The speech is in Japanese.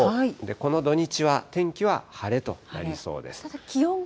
この土日は天気は晴れとなりそうです。